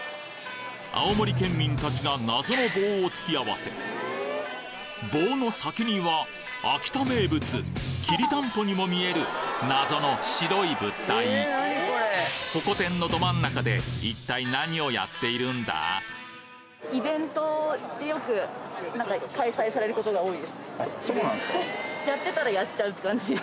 青森県民たちが謎の棒を突き合わせ棒の先には秋田名物きりたんぽにも見える謎の白い物体ホコ天のど真ん中でそうなんですか？